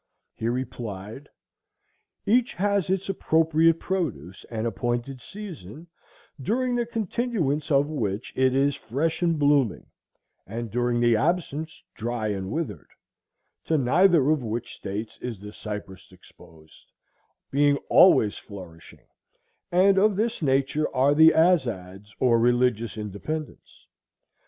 He replied; Each has its appropriate produce, and appointed season, during the continuance of which it is fresh and blooming, and during their absence dry and withered; to neither of which states is the cypress exposed, being always flourishing; and of this nature are the azads, or religious independents.